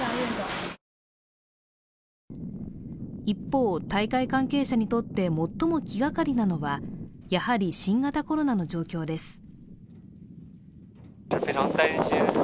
一方、大会関係者にとって最も気がかりなのは、やはり新型コロナの状況です。